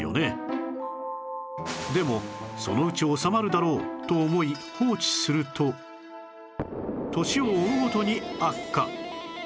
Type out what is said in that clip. でもそのうち治まるだろうと思い放置すると年を追うごとに悪化